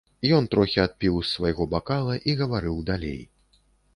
Ён трохі адпіў з свайго бакала і гаварыў далей.